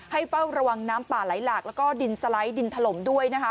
ให้เป้าระวังน้ำป่าไหลหลากแล้วก็ดินสไลดินถล่มด้วย